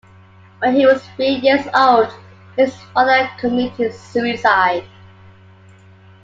When he was three years old his father committed suicide.